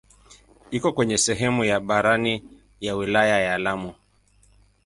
Iko kwenye sehemu ya barani ya wilaya ya Lamu.